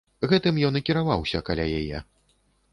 Гэтым ён і кіраваўся каля яе.